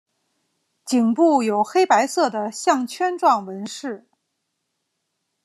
颈部有黑白色的项圈状纹饰。